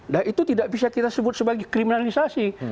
nah itu tidak bisa kita sebut sebagai kriminalisasi